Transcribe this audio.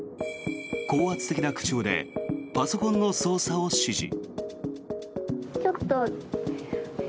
高圧的な口調でパソコンの操作を指示。